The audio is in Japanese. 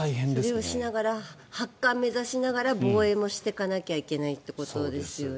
それをしながら八冠を目指しながら防衛をしていかないといけないということですよね。